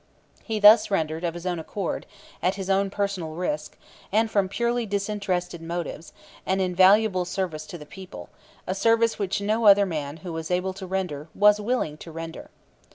He thus rendered, of his own accord, at his own personal risk, and from purely disinterested motives, an invaluable service to the people, a service which no other man who was able to render was willing to render.